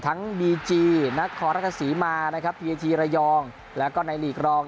ทั้งบีจีนักคอรักษีมานะครับพีเอทีระยองแล้วก็ในลีกรอง